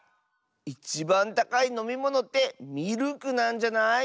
いちばんたかいのみものってミルクなんじゃない？